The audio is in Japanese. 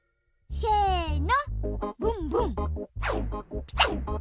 せの！